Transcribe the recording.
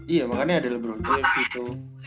iya makanya ada lebron treff gitu